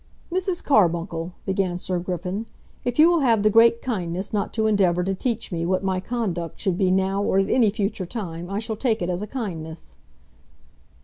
"Mrs. Carbuncle," began Sir Griffin, "if you will have the great kindness not to endeavour to teach me what my conduct should be now or at any future time, I shall take it as a kindness."